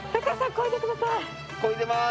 こいでます。